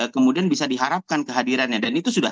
kemudian bisa diharapkan kehadirannya dan itu sudah